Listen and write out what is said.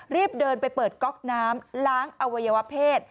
รีบเดินไปเปิดก๊อกน้ำล้างอวัยวะเพศ